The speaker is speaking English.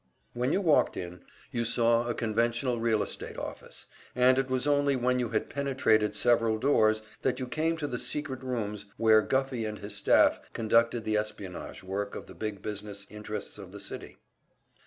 When you walked in, you saw a conventional real estate office, and it was only when you had penetrated several doors that you came to the secret rooms where Guffey and his staff conducted the espionage work of the big business interests of the city.